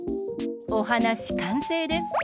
おはなしかんせいです。